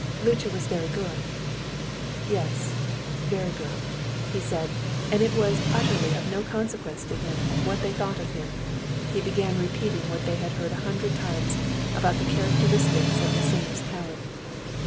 "Lucca was very good." "Yes, very good," he said, and as it was utterly of no consequence to him what they thought of him, he began repeating what they had heard a hundred times about the characteristics of the singer's talent.